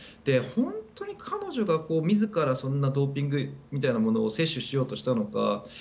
本当に彼女が自らそんなドーピングみたいなものを摂取しようとしたのか。